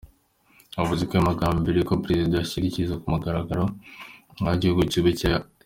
Yavuze ayo majambo imbere yuko Prezida Trump ashikiriza ku mugaragaro aho igihugu ciwe gihagaze.